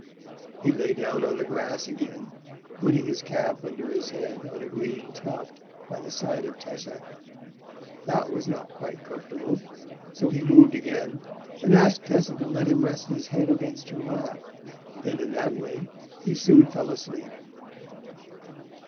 He lay down on the grass again, putting his cap under his head on a green tuft by the side of Tessa. That was not quite comfortable; so he moved again, and asked Tessa to let him rest his head against her lap; and in that way he soon fell asleep.